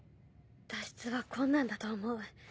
脱出は困難だと思う。